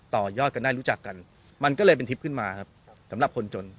ต่อยอดกันได้รู้จักกันมันก็เลยเป็นทริปขึ้นมาครับสำหรับคนจน